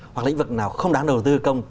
hoặc lĩnh vực nào không đáng đầu tư công